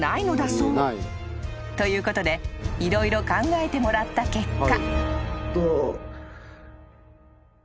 ［ということで色々考えてもらった結果］